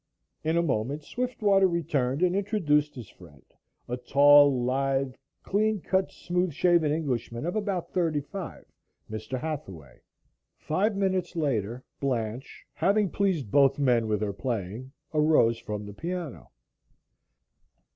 In a moment Swiftwater returned and introduced his friend, a tall, lithe, clean cut, smooth shaven Englishman of about thirty five Mr. Hathaway. Five minutes later, Blanche having pleased both men with her playing, arose from the piano.